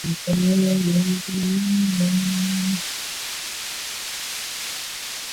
岗松为桃金娘科岗松属下的一个种。